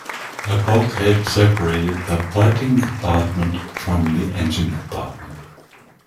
A bulkhead separated the fighting compartment from the engine compartment.